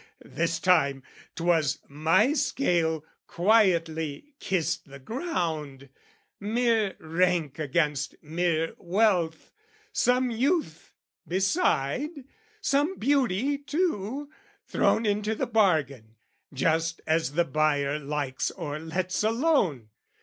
This time 'twas my scale quietly kissed the ground, Mere rank against mere wealth some youth beside, Some beauty too, thrown into the bargain, just As the buyer likes or lets alone.